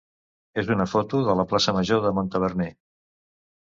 és una foto de la plaça major de Montaverner.